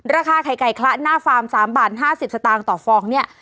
ราคาไข่ไก่คละหน้าฟาร์ม๓บาท๕๐สตางค์ต่อฟองเนี่ย